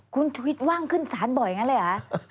คุณชวิตว่างขึ้นสารบ่อยอย่างนั้นเลย